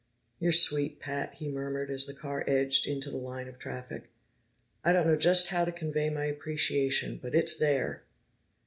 "You're sweet, Pat," he murmured, as the car edged into the line of traffic. "I don't know just how to convey my appreciation, but it's there!"